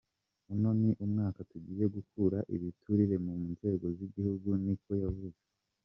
"Uno ni umwaka tugiye gukura ibiturire mu nzego z'igihugu," niko yavuze.